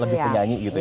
lebih penyanyi gitu ya